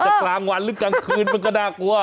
กลางวันหรือกลางคืนมันก็น่ากลัว